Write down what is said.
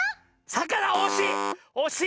さかなおしい！